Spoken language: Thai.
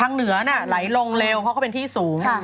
ทางเหนือน่ะไหลลงเร็วเขาก็เป็นที่สูง